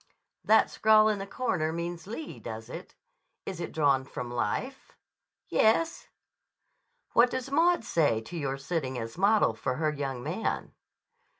"That scrawl in the corner means Lee, does it? Is it drawn from life?" "Yes." "What does Maud say to your sitting as model for her young man?"